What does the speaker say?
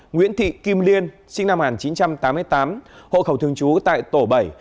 nguyễn thị kim liên sinh năm một nghìn chín trăm tám mươi tám hộ khẩu thường trú tại tổ bảy